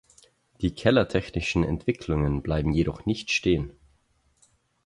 Die kellertechnischen Entwicklungen bleiben jedoch nicht stehen.